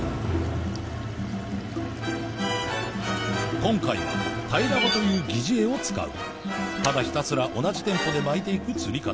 今回はタイラバという疑似餌を使うただひたすら同じテンポで巻いていく釣り方